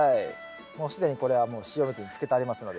もう既にこれはもう塩水につけてありますので。